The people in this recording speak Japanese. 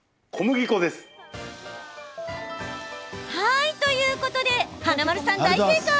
はいということで華丸さん大正解！